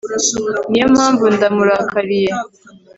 Niyo mpamvu ndamurakariye